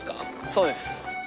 そうです。